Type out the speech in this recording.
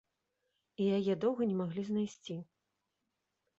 І яе доўга не маглі знайсці.